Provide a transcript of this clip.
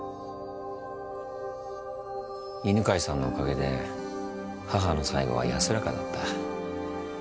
犬飼さんのおかげで母の最期は安らかだった。